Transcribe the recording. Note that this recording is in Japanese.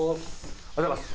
おはようございます。